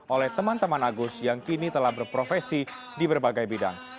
oleh teman teman agus yang kini telah berprofesi di berbagai bidang